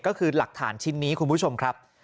ก็คือหลักฐานชิ้นนี้คุณผู้ชมครับ